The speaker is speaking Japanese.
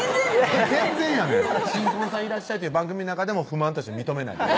全然やねん新婚さんいらっしゃい！という番組の中不満として認めないです